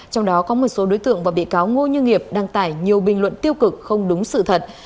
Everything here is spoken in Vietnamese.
trong đó có một số đối tượng và bị cáo ngô như nghiệp đăng tải nhiều bình luận tiêu cực không đúng sự thật